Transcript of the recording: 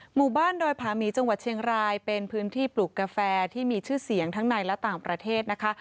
หมู่บ้านดอยผาหมีจังหวัดเชียงรายเป็นพื้นที่ปลูกกาแฟที่มีชื่อเสียงทั้งในและต่างประเทศนะคะ